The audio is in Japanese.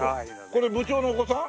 これ部長のお子さん？